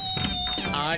あれ？